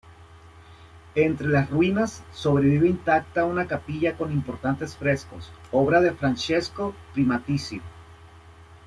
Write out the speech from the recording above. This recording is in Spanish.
Entre las ruinas, sobrevive intacta una capilla con importantes frescos, obra de Francesco Primaticcio.